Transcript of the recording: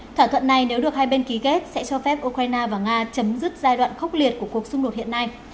thỏa thuận này nếu được hai bên ký kết sẽ cho phép ukraine và nga chấm dứt giai đoạn khốc liệt của cuộc xung đột hiện nay